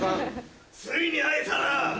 ついに会えたな！